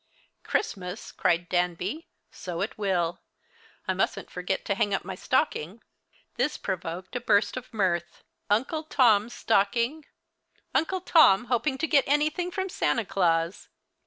"Christmas!" cried Danby; "so it will. I mustn't forget to hang up my stocking." This provoked a burst of mirth. Uncle Tom's stocking! Uncle Tom hoping to get anything from Santa Claus!